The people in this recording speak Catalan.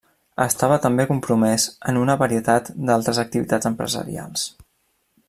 Estava també compromès en una varietat d'altres activitats empresarials.